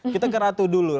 kita ke ratu dulu